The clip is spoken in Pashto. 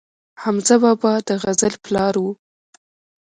حمزه بابا د غزل پلار و